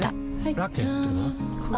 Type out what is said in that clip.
ラケットは？